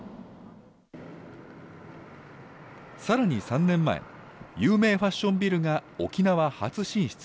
さらに３年前、有名ファッションビルが沖縄初進出。